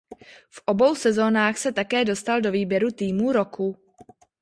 V obou sezónách se také dostal do výběru týmu roku.